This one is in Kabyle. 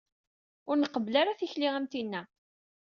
Ur nqebbel ara tikli am tinna.